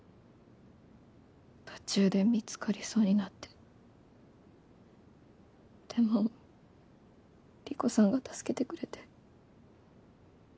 途中で見つかりそうになってでも理子さんが助けてくれて。